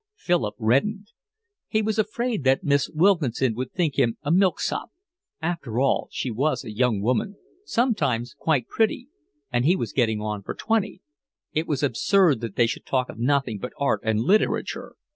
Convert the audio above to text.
Philip reddened. He was afraid that Miss Wilkinson would think him a milksop: after all she was a young woman, sometimes quite pretty, and he was getting on for twenty; it was absurd that they should talk of nothing but art and literature.